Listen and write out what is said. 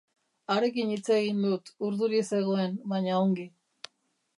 Harekin hitz egin dut, urduri zegoen, baina ongi.